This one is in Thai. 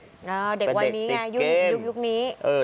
เป็นเด็กติดเกมเป็นเด็กวันนี้ไงยุคนี้